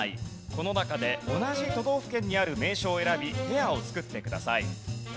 この中で同じ都道府県にある名所を選びペアを作ってください。